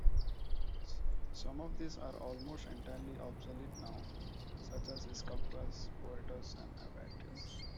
Some of these are almost entirely obsolete now, such as sculptress, poetess, and aviatrix.